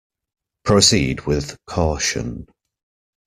Proceed with caution.